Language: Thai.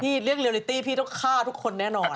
พี่เรียกรายลิตต์พี่ต้องฆ่าทุกคนแน่นอน